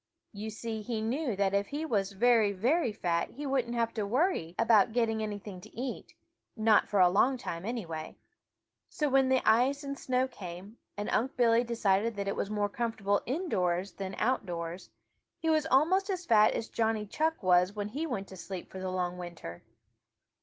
You see he knew that if he was very, very fat he wouldn't have to worry about getting anything to eat, not for a long time, anyway. So when the ice and snow came, and Unc' Billy decided that it was more comfortable indoors than outdoors, he was almost as fat as Johnny Chuck was when he went to sleep for the long winter.